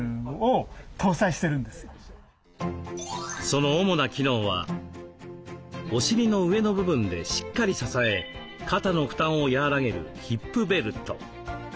その主な機能はお尻の上の部分でしっかり支え肩の負担を和らげるヒップベルト。